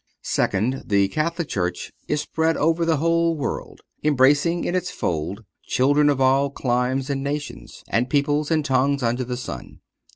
Second—The Catholic Church is spread over the whole world, embracing in its fold children of all climes and nations, and peoples and tongues under the sun.